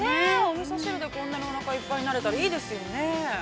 ◆おみそ汁でこんなにおなかいっぱいになれたらいいですよね。